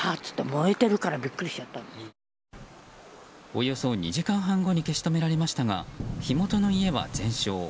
およそ２時間半後に消し止められましたが火元の家は全焼。